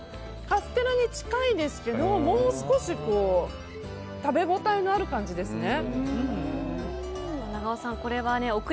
カステラに近いですけどもう少し食べ応えのある感じですね。